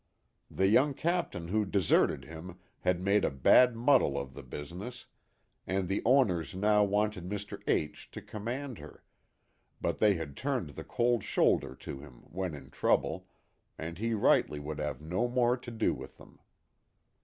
The young captain who deserted him had made a bad muddle of the business, and the owners now wanted Mr. H to command her but they had turned the cold shoulder to him when in trouble and he rightly would have no more to do with them.